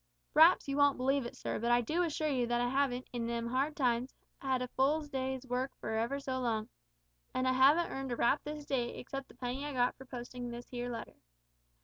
"P'r'aps you won't believe it, sir, but I do assure you that I haven't, in them hard times, had a full day's work for ever so long. And I haven't earned a rap this day, except the penny I got for postin' this here letter."